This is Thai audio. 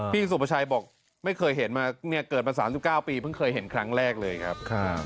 สุประชัยบอกไม่เคยเห็นมาเนี่ยเกิดมา๓๙ปีเพิ่งเคยเห็นครั้งแรกเลยครับ